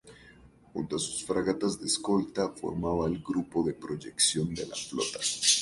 Junto a sus fragatas de escolta, formaba el Grupo de Proyección de la Flota.